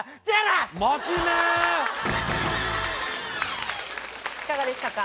いかがでしたか？